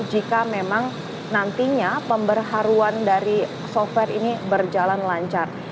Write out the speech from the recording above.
jika memang nantinya pemberharuan dari software ini berjalan lancar